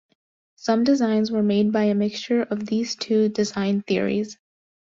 Some designs were made by a mixture of these two design theories.